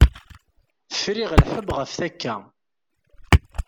Friɣ lḥebb ɣef takka.